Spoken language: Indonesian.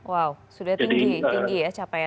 wow sudah tinggi ya capaiannya